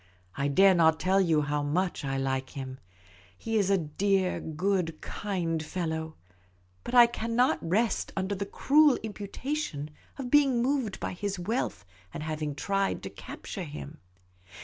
I dare not tell you how much I like him. He is a dear, good, kind fellow. But I cannot rest under the cruel imputation of be ing moved by his wealth and having tried to capture him.